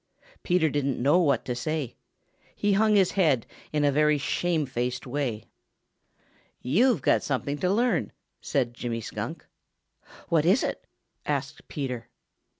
Peter didn't know what to say. He hung his head in a very shame faced way. "You've got something to learn," said Jimmy Skunk. "What is it?" asked Peter.